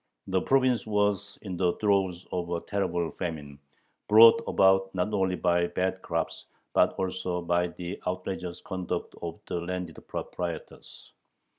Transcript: The province was in the throes of a terrible famine, brought about not only by bad crops but also by the outrageous conduct of the landed proprietors.